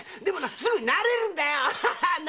でもすぐ慣れるんだよ。